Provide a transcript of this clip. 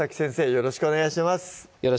よろしくお願いします